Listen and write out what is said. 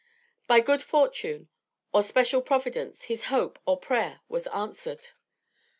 By good fortune, or special Providence, his hope, or prayer, was answered.